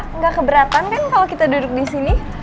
tidak keberatan kan kalau kita duduk di sini